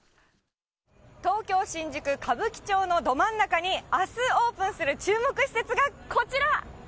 東京・新宿・歌舞伎町のど真ん中にあすオープンする、注目施設がこちら。